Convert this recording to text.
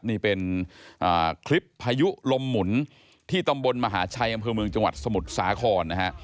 นี่เป็นคลิปพายุลมหมุนที่ตำบลมหาชัยอำเภอเมืองจังหวัดสมุทรสาครนะฮะ